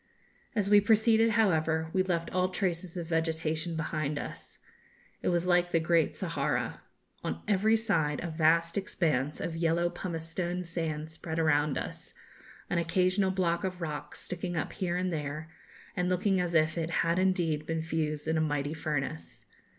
As we proceeded, however, we left all traces of vegetation behind us. It was like the Great Sahara. On every side a vast expanse of yellow pumice stone sand spread around us, an occasional block of rock sticking up here and there, and looking as if it had indeed been fused in a mighty furnace.